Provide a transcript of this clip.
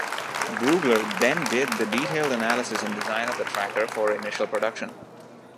Brugler then did the detailed analysis and design of the tracker for initial production.